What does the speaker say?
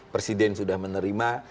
presiden sudah menerima